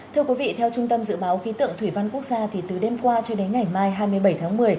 thưa quý vị theo trung tâm dự báo khí tượng thủy văn quốc gia thì từ đêm qua cho đến ngày mai hai mươi bảy tháng một mươi